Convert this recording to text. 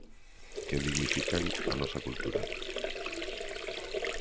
Que dignifican a nosa cultura.